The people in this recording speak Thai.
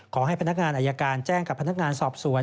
ขอให้พนักงานอายการแจ้งกับพนักงานสอบสวน